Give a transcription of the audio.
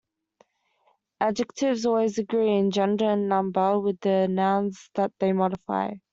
Adjectives always agree in gender and number with the nouns that they modify.